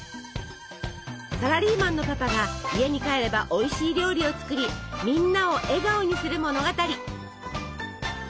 サラリーマンのパパが家に帰ればおいしい料理を作りみんなを笑顔にする物語。